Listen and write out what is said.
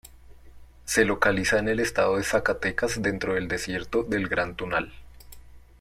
Se localiza en el estado de Zacatecas dentro del desierto del Gran Tunal.